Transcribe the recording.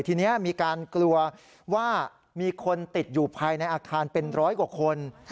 ทีนี้มีการกลัวว่ามีคนติดอยู่ภายในอาคารเป็นร้อยกว่าคน